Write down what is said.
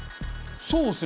そうっすね。